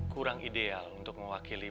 kurang ideal untuk mewakili